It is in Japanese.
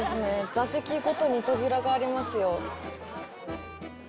座席ごとに扉がありますよ。